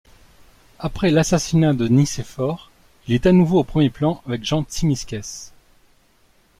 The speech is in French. Après l'assassinat de Nicéphore, il est à nouveau au premier plan avec Jean Tzimiskès.